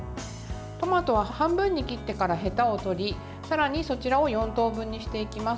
トマトは半分に切ってからへたを取り、さらにそちらを４等分にしていきます。